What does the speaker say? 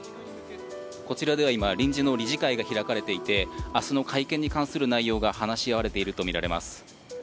こちらでは今、臨時の理事会が開かれていて、明日の会見に関する内容が話し合われているとみられます。